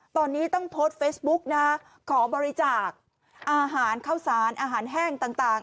ตอนนี้ต้องโพสต์เฟซบุ๊กนะขอบริจาคอาหารข้าวสารอาหารแห้งต่าง